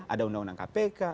ada undang undang kpk